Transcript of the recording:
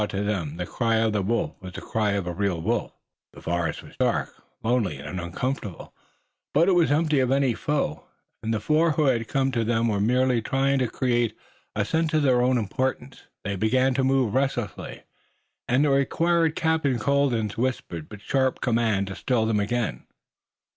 To them the cry of a wolf was the cry of a real wolf, the forest was dark, lonely and uncomfortable, but it was empty of any foe, and the four who had come to them were merely trying to create a sense of their own importance. They began to move restlessly, and it required Captain Colden's whispered but sharp command to still them again.